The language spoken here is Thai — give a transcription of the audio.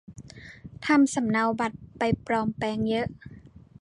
ทำสำเนาบัตรไปปลอมแปลงเยอะ